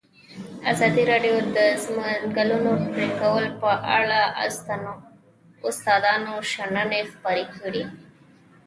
ازادي راډیو د د ځنګلونو پرېکول په اړه د استادانو شننې خپرې کړي.